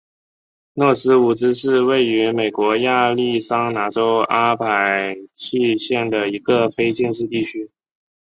诺斯伍兹是位于美国亚利桑那州阿帕契县的一个非建制地区。